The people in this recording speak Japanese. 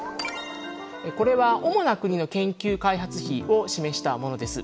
これは主な国の研究開発費を示したものです。